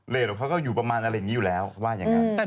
ของเขาก็อยู่ประมาณอะไรอย่างนี้อยู่แล้วว่าอย่างนั้น